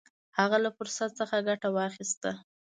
هغه له فرصت څخه ګټه واخیسته.